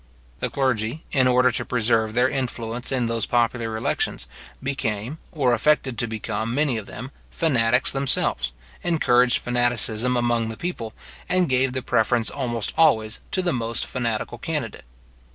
The clergy, in order to preserve their influence in those popular elections, became, or affected to become, many of them, fanatics themselves, encouraged fanaticism among the people, and gave the preference almost always to the most fanatical candidate.